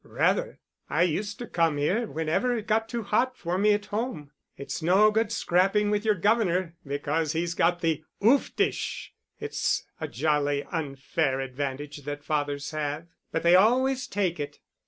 "Rather! I used to come here whenever it got too hot for me at home. It's no good scrapping with your governor, because he's got the ooftish it's a jolly unfair advantage that fathers have, but they always take it.